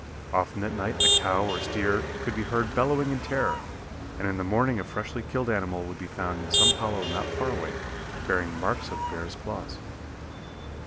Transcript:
Often at night a cow or steer could be heard bellowing in terror, and in the morning a freshly killed animal would be found in some hollow not far away, bearing marks of bear's claws.